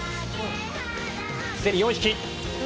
すでに４匹。